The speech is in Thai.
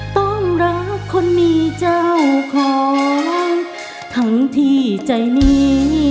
ต้องรักคนมีเจ้าของทั้งพี่ใจนี้